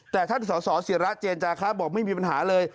แต่ท่านที่สอสอศิระเจนจาครับบอกไม่มีปัญหาเลย